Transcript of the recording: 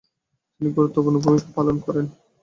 তিনি গুরুত্বপূর্ণ ভুমিকা পালন করেন।